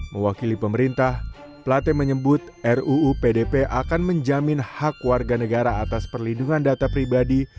mewakili pemerintah plate menyebut ruu pdp akan menjamin hak warga negara atas perlindungan data pribadi